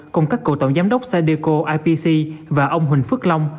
cùng các cựu tổng giám đốc sadeco ipc và ông huỳnh phước long